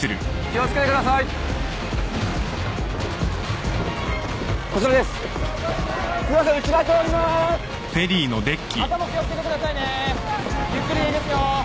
ゆっくりでいいですよ。